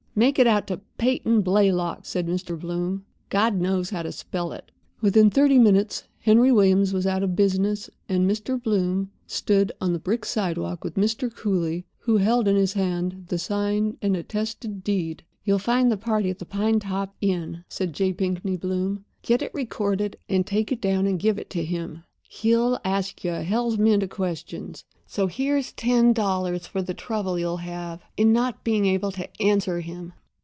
"Make it out to Peyton Blaylock," said Mr. Bloom. "God knows how to spell it." Within thirty minutes Henry Williams was out of business, and Mr. Bloom stood on the brick sidewalk with Mr. Cooly, who held in his hand the signed and attested deed. "You'll find the party at the Pinetop Inn," said J. Pinkney Bloom. "Get it recorded, and take it down and give it to him. He'll ask you a hell's mint of questions; so here's ten dollars for the trouble you'll have in not being able to answer 'em.